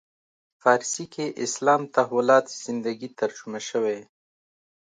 فارسي کې اسلام تحولات زندگی ترجمه شوی.